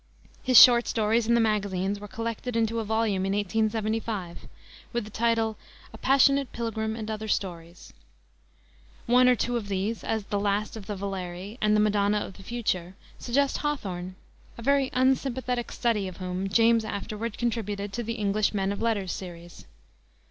His short stories in the magazines were collected into a volume in 1875, with the title, A Passionate Pilgrim and Other Stories. One or two of these, as the Last of the Valerii and the Madonna of the Future, suggest Hawthorne, a very unsympathetic study of whom James afterward contributed to the "English Men of Letters" series.